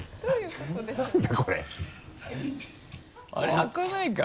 開かないか？